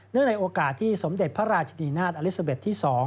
ในโอกาสที่สมเด็จพระราชนีนาฏอลิซาเบ็ดที่๒